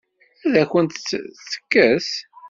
Ad akent-tt-tekkes?